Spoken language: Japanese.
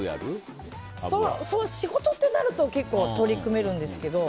仕事ってなると結構、取り組めるんですけど。